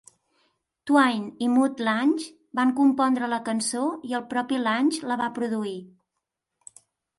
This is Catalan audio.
Twain y Mutt Lange van compondre la cançó i el propi Lange la va produir.